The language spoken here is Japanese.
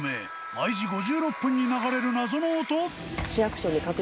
毎時５６分に流れる謎の音？